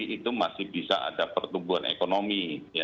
itu masih bisa ada pertumbuhan ekonomi